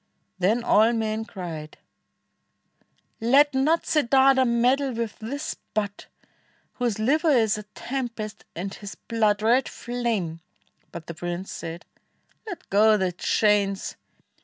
Then all men cried, "Let not Siddartha meddle with this Bhut, Whose liver is a tempest, and his blood Red flame"; but the prince said, "Let go the chains.